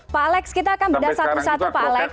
pak alex kita kan beda satu satu pak alex